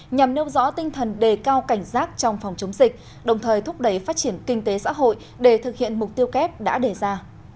nhằm nêu rõ tinh thần đề cao cảnh giác trong phòng chống dịch đồng thời thúc đẩy phát triển kinh tế xã hội để thực hiện mục tiêu kép đã đề ra